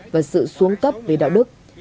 và sự xuống cấp về đạo đức